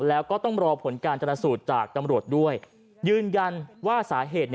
แล้วก็ต้องรอผลการจรสูตรจากตำรวจด้วยยืนยันว่าสาเหตุ